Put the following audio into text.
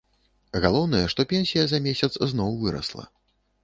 Галоўнае, што пенсія за месяц зноў вырасла.